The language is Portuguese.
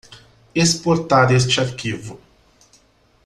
Exportar este arquivo.